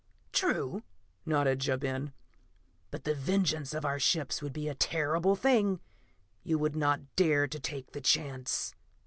"True," nodded Ja Ben. "But the vengeance of our ships would be a terrible thing! You would not dare to take the chance!"